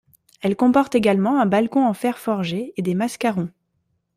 Elle comporte également un balcon en fer forgé et des mascarons.